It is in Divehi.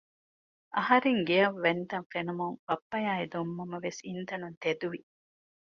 އަހަރެން ގެއަށް ވަތްތަން ފެނުމުން ބައްޕަ އާއި ދޮންމަންމަވެސް އިންތަނުން ތެދުވި